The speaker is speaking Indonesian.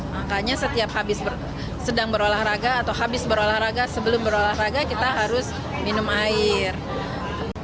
makanya setiap habis sedang berolahraga atau habis berolahraga sebelum berolahraga kita harus minum air